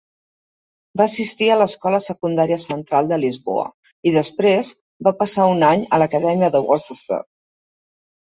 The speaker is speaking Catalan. Va assistir a l'escola secundària central de Lisboa, i després va passar un any en l'Acadèmia de Worcester.